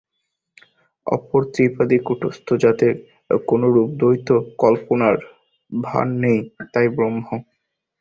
অপর ত্রিপাদি কূটস্থ, যাতে কোনরূপ দ্বৈত-কল্পনার ভান নেই, তাই ব্রহ্ম।